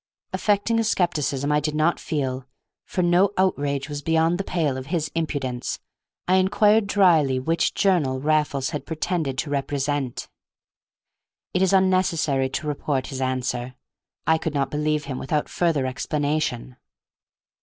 Affecting a scepticism I did not feel (for no outrage was beyond the pale of his impudence), I inquired dryly which journal Raffles had pretended to represent. It is unnecessary to report his answer. I could not believe him without further explanation.